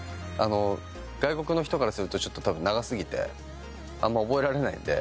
外国の人からするとちょっと多分長過ぎてあんま覚えられないんで。